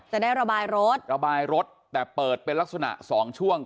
จะได้ระบายรถระบายรถแต่เปิดเป็นลักษณะสองช่วง